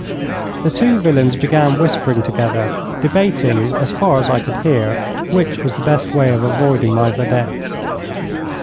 The two villains began whispering together, debating, as far as I could hear, which was the best way of avoiding my vedettes.